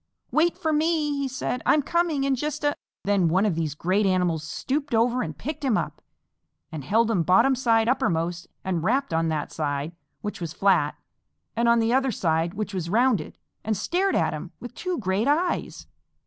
"Wait for me," he said. "I'm coming in just a " Then one of these great animals stooped over and picked him up, and held him bottom side uppermost and rapped on that side, which was flat; and on the other side, which was rounded; and stared at him with two great eyes.